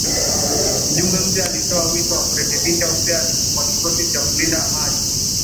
Mjumbe mpya alitoa wito wa kurekebishwa upya kwa kikosi cha kulinda amani